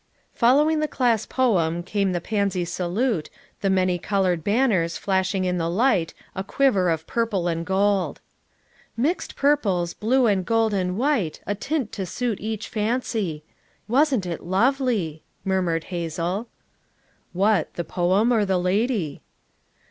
Following the class poem came the pansy salute, the many colored banners flashing in the light a quiver of purple and gold. " 'Mixed purples, blue and gold and white, A tint to suit each fancy/ "Wasn't it lovely I" murmured Hazel. "What? the poem, or the lady?"